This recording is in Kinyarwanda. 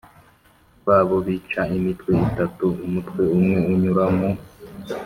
rwabo bica imitwe itatu umutwe umwe unyura mu